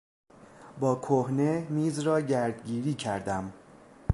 با کهنه میز را گردگیری کردم.